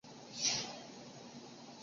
天津海关遂成为海关邮政的中心。